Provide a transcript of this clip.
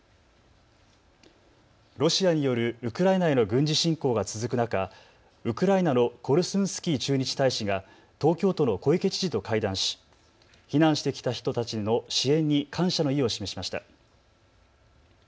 ロシアによるウクライナへの軍事侵攻が続く中、ウクライナのコルスンスキー駐日大使が東京都の小池知事と会談し、避難してきた人たちの支援に感謝の意を示しました。